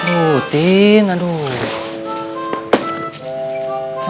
tuh tin aduh